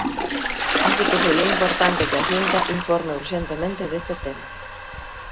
Así que sería importante que a Xunta informe urxentemente deste tema.